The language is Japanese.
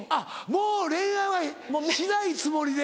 もう恋愛はしないつもりで。